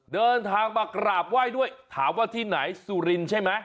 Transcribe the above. เดินทางมากราบไหว้ด้วยถามว่าที่ไหนสุรินทร์ใช่ไหม